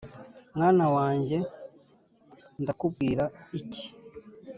Mwana wanjye ndakubwira iki ?